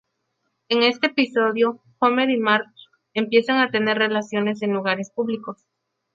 En este episodio Homer y Marge empiezan a tener relaciones en lugares públicos.